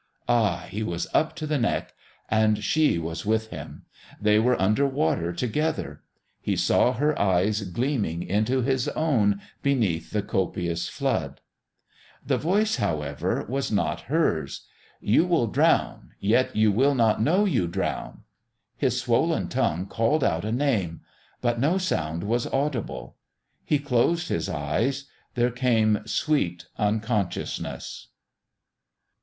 Ah, he was up to the neck ... and she was with him; they were under water together; he saw her eyes gleaming into his own beneath the copious flood. The voice, however, was not hers.... "You will drown, yet you will not know you drown...!" His swollen tongue called out a name. But no sound was audible. He closed his eyes. There came sweet unconsciousness....